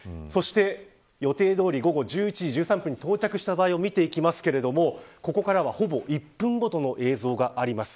そして予定どおり午後１１時１３分に到着した場合を見ていきますがここからは、ほぼ１分ごとの映像があります。